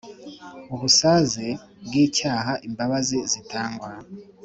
Ubusaze bw icyaha imbabazi zitangwa